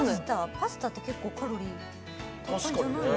パスタって結構カロリー高いんじゃないの？